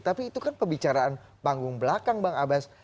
tapi itu kan pembicaraan panggung belakang bang abbas